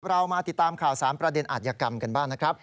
เรามาติดตามข่าวสารประเด็นอาจยกรรมกันบ้างนะครับ